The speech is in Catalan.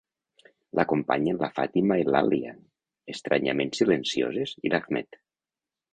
L'acompanyen la Fàtima i l'Àlia, estranyament silencioses, i l'Ahmed.